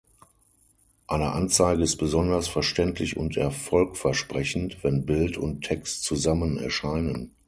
Eine Anzeige ist besonders verständlich und erfolgversprechend, wenn Bild und Text zusammen erscheinen.